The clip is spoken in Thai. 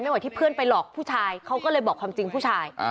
ไหวที่เพื่อนไปหลอกผู้ชายเขาก็เลยบอกความจริงผู้ชาย